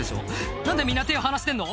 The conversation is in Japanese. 「何でみんな手離してんの？」